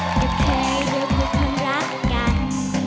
ก็เคยด้วยทุกคนรักกัน